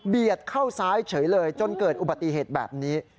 เข้าซ้ายเฉยเลยจนเกิดอุบัติเหตุแบบนี้